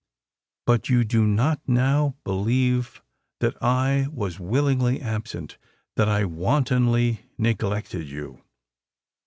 But you do not now believe that I was willingly absent—that I wantonly neglected you?"